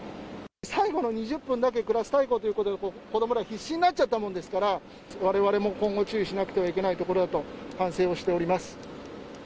最後の２０分だけクラス対抗ということで、子どもら、必死になっちゃったもんですから、われわれも今後、注意しなくてはいけないところだと、反省をしております。